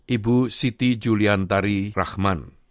ibu siti juliantari rahman